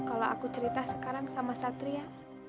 kalau aku cerita sekarang sama satria